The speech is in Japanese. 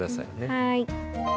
はい。